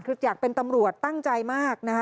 คืออยากเป็นตำรวจตั้งใจมากนะคะ